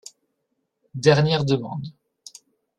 Dernière demande.